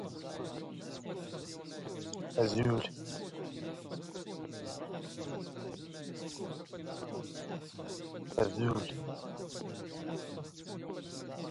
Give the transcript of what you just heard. ⵍⴽⵎⵏ ⵙⵓⵍ ⵜⴰⵇⵇⴰⵛⵛⴰ.